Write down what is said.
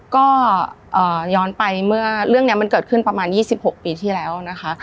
ก็ย้อนไปเมื่อเรื่องนี้มันเกิดขึ้นประมาณ๒๖ปีที่แล้วนะคะ